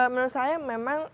menurut saya memang